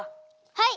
はい！